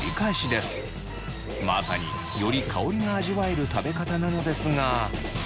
まさにより香りが味わえる食べ方なのですが。